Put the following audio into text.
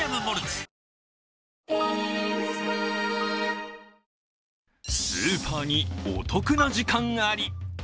おおーーッスーパーにお得な時間あり。